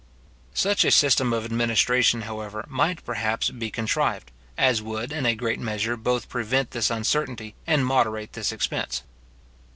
Such a system of administration, however, might, perhaps, be contrived, as would in a great measure both prevent this uncertainty, and moderate this expense.